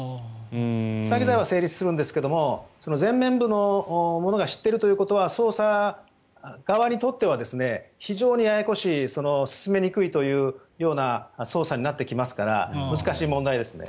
詐欺罪は成立するんですが前面部の者は知っているということは捜査側にとっては非常にややこしい進めにくいという捜査になってきますから難しい問題ですね。